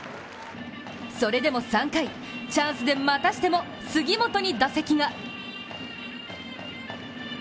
それでも３回、チャンスでまたしても杉本に打席が。